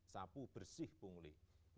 sapu bersih pungli